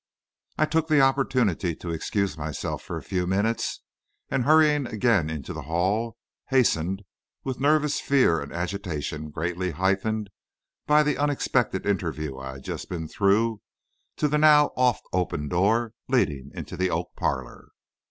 I took the opportunity to excuse myself for a few minutes, and hurrying again into the hall, hastened, with nervous fear and an agitation greatly heightened by the unexpected interview I had just been through, to the now oft opened door leading into the oak parlor.